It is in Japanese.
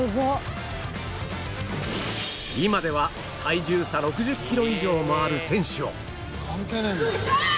今では体重差６０キロ以上もある選手を